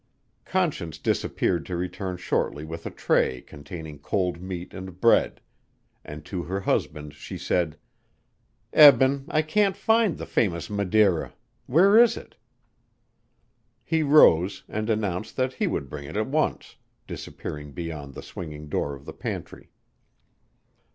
Conscience disappeared to return shortly with a tray containing cold meat and bread, and to her husband she said: "Eben, I can't find the famous Madeira. Where is it?" He rose, and announced that he would bring it at once, disappearing beyond the swinging door of the pantry.